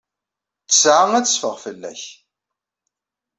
Ttesɛa ad teffeɣ fell-ak.